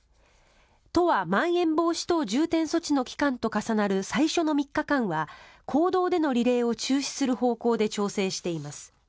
都はまん延防止等重点措置の期間と重なる最初の３日間は公道でのリレーを中止する方向で調整しています。